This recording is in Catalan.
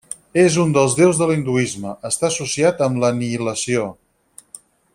És un dels déus de l'hinduisme Està associat amb l'anihilació.